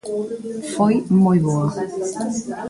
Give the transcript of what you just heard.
Foi moi boa.